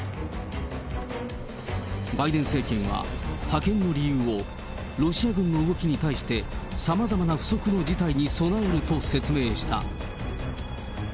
バイデン政権は、派遣の理由を、ロシア軍の動きに対して、さまざまな不測の事態に備えると説明した。